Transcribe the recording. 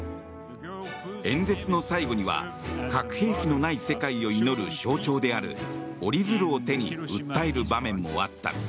演説の最後には核兵器のない世界を祈る象徴である折り鶴を手に訴える場面もあった。